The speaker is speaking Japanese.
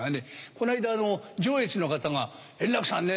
この間上越の方が「円楽さんね